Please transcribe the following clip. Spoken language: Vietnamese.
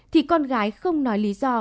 thì con gái không nói lý do